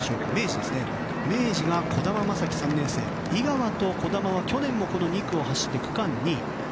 その後ろに明治が児玉真輝、３年生井川と児玉は去年も２区を走って区間２位。